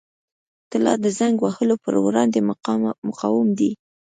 طلا د زنګ وهلو پر وړاندې مقاوم دی.